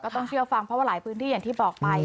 ต้องเชื่อฟังเพราะว่าหลายพื้นที่อย่างที่บอกไป